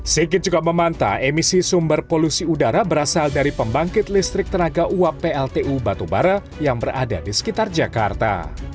sigit juga memanta emisi sumber polusi udara berasal dari pembangkit listrik tenaga uap pltu batubara yang berada di sekitar jakarta